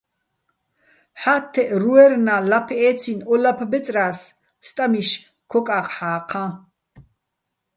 ჰ̦ა́თთეჸ რუერნა́ ლაფ ე́ცინო̆ ო ლაფ ბეწრა́ს სტამიშ ქოკა́ხ ჰ̦ა́ჴაჼ.